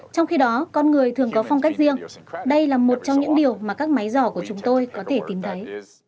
trong khi đó con người thường có phong cách riêng đây là một trong những điều mà các máy giỏ của chúng tôi có thể tìm thấy